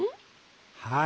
「はい。